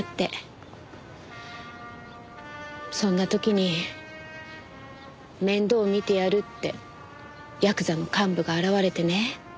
そんな時に面倒見てやるってヤクザの幹部が現れてね。